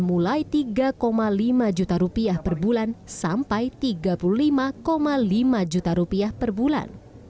mulai tiga lima juta rupiah per bulan sampai tiga puluh lima lima juta rupiah per bulan